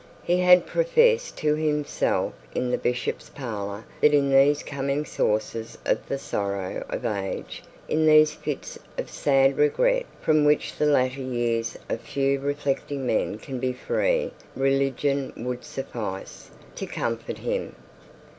He had professed to himself in the bishop's parlour that in these coming sources of the sorrow of the age, in these fits of sad regret from which the latter years of few reflecting men can be free, religion would suffice to comfort him.